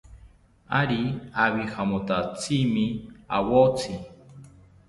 Ari abijamotsimi awotzi